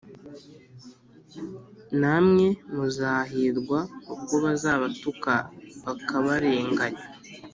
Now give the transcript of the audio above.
“Namwe muzahirwa ubwo bazabatuka bakabarenganya